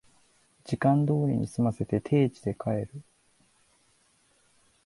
時間通りに済ませて定時で帰る